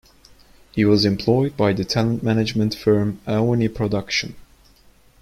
He was employed by the talent management firm Aoni Production.